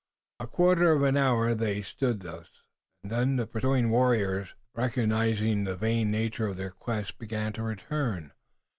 A quarter of an hour they stood thus, and then the pursuing warriors, recognizing the vain nature of their quest, began to return.